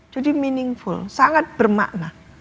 jadi meaningful sangat bermakna